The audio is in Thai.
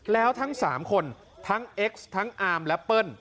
แล้วทั้ง๓คนทั้งเอ็กซ์ทั้งอาร์มและเปิ้ล